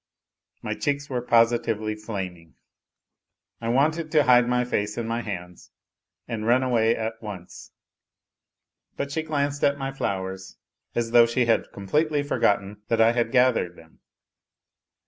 My cheeks were positively flaming. I wanted to hide my face in my hands and run away at once, but she glanced at my flowers as though she had completely forgotten that I had gathered them.